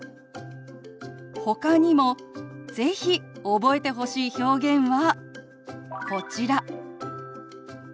ほかにも是非覚えてほしい表現はこちら。